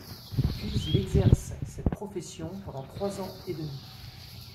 Puis il exerce cette profession pendant trois ans et demi.